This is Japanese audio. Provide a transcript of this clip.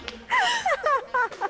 ハハハハ！